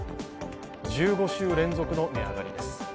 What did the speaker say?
１５週連続の値上がりです。